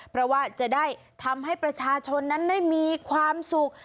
เพราะว่าจะได้ทำให้ประชาชนนั้นได้มีความสุข